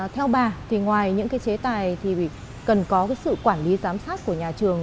theo bà thì ngoài những cái chế tài thì cần có cái sự quản lý giám sát của nhà trường